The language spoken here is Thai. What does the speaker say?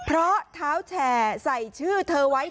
รถยอดแชร์ใส่ชื่อเธอไว้